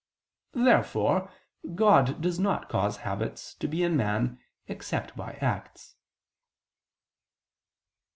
Therefore God does not cause habits to be in man except by acts.